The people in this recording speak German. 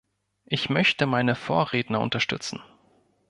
Ich möchte meine Vorredner unterstützen.